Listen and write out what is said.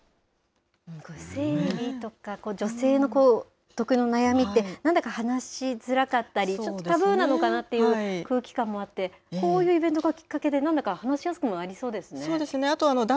生理とか女性の独特の悩みって、なんだか話しづらかったり、ちょっとタブーなのかなっていう空気感もあって、こういうイベントがきっかけで、なんだか話しやすくもなりそうですね。